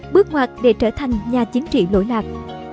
bước ngoặt để trở thành nhà chính trị lỗi lạc